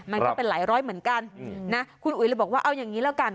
มันก็เป็นหลายร้อยเหมือนกันนะคุณอุ๋ยเลยบอกว่าเอาอย่างนี้แล้วกัน